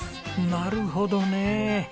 なるほどね。